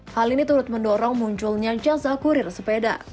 hal ini turut mendorong munculnya jasa kurir sepeda